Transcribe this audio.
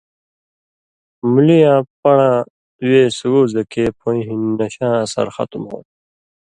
مولی یاں پن٘ڑاں وے سُگو زکے پویں ہِن نَشاں اثر ختم ہو تُھو۔